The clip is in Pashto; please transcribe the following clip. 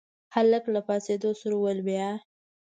هلک له پاڅېدو سره وويل بيا.